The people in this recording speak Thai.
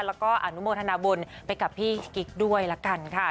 แล้วก็อนุโมทนาบุญไปกับพี่กิ๊กด้วยละกันค่ะ